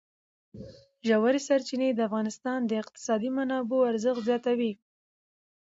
ژورې سرچینې د افغانستان د اقتصادي منابعو ارزښت زیاتوي.